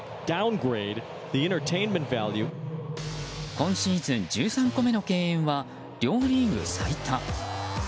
今シーズン１３個目の敬遠は両リーグ最多。